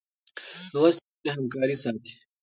لوستې نجونې همکاري ساتي.